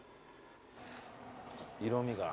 色みが。